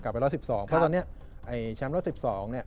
เพราะตอนนี้ช้ำรุ่น๑๑๒เนี่ย